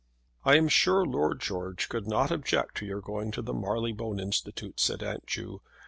"I am sure Lord George could not object to your going to the Marylebone Institute," said Aunt Ju.